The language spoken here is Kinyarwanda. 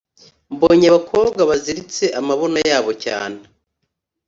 mbonye abakobwa baziritse amabuno yabo cyane